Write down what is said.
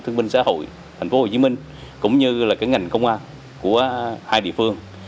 thương minh xã hội thành phố hồ chí minh cũng như là cái ngành công an của hai địa phương